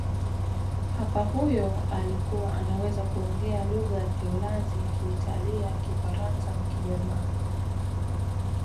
papa huyo alikuwa anaweza kuongea lugha ya kiholanzi kiitalia kifaransa na kijerumani